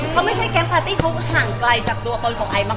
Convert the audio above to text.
เขาก็ไม่ได้เป็นแก๊งพารตี้แต่ให่เห่าที่ห่างกลายจากตัวตนของไอมาก